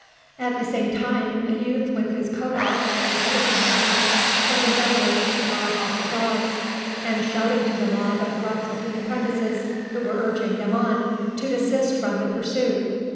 At the same time a youth with his coat off and a stick in his hand was endeavouring to drive off the dogs, and shouting to the mob of rough looking apprentices who were urging them on, to desist from the pursuit.